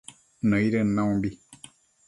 nëidën naumbi